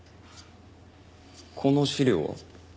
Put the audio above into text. この資料は？